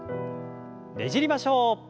ねじりましょう。